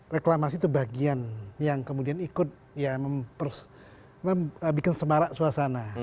reklamasi itu bagian yang kemudian ikut ya bikin semarak suasana